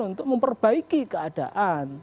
untuk memperbaiki keadaan